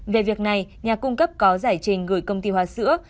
về việc này nhà cung cấp có giải trình gửi công ty hoa sữa